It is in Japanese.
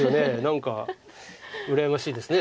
何か羨ましいですね